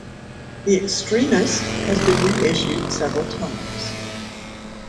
"The Extremist" has been reissued several times.